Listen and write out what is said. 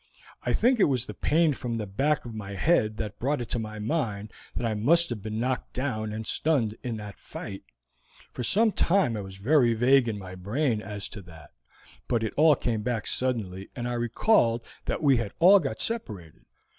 I think it was the pain from the back of my head that brought it to my mind that I must have been knocked down and stunned in that fight; for some time I was very vague in my brain as to that, but it all came back suddenly, and I recalled that we had all got separated.